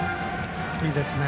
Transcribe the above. いいですね